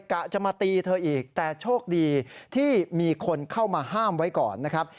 กะจะมาตีเธออีกแต่โชคดีที่มีคนเข้ามาห้ามไว้ก่อนนะครับ